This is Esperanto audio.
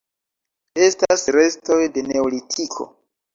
Estas restoj de Neolitiko.